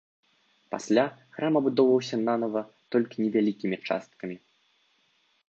Пасля храм адбудоўваўся нанава толькі невялікімі часткамі.